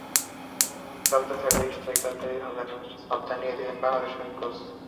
এভাবে চলতে থাকলে স্ট্রাইকার তৈরি হবে না, সাফ জানিয়ে দিলেন বাংলাদেশ কোচ।